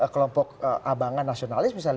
kelompok abangan nasionalis misalnya